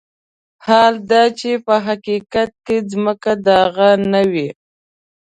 حال دا چې په حقيقت کې ځمکه د هغه نه وي.